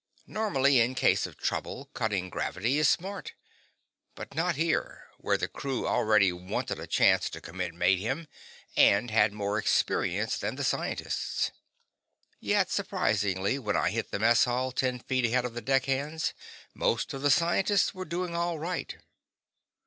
Normally, in case of trouble, cutting gravity is smart. But not here, where the crew already wanted a chance to commit mayhem, and had more experience than the scientists. Yet, surprisingly, when I hit the mess hall ten feet ahead of the deckhands, most of the scientists were doing all right.